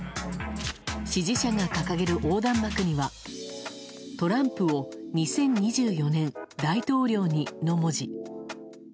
支持者が掲げる横断幕には「トランプを２０２４年大統領に」の文字。